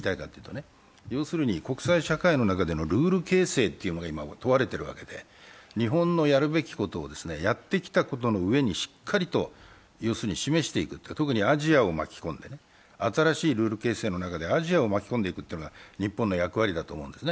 国際社会の中でのルール形成が今、問われているわけで日本のやるべきことを、やってきたことのうえにしっかりと示していく、特にアジアを巻き込んで新しいルール形成の中でアジアを巻き込んでいくというのは日本の役割だと思うんですね。